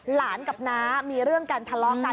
หลานกับน้ามีเรื่องกันทะเลาะกัน